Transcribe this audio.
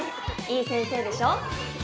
いい先生でしょ。